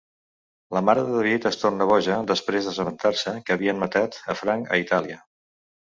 La mare de David es torna boja després d'assabentar-se que havien matat a Frank a Itàlia.